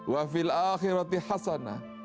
wafil akhirati hasana